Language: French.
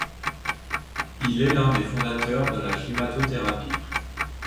Il est l'un des fondateurs de la climatothérapie.